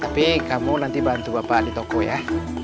tapi kamu nanti bantu bapak di toko ya